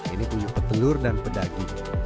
ini puyuh petelur dan pedagi